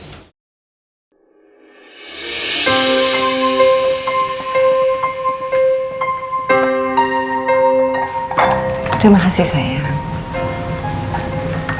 terima kasih sayang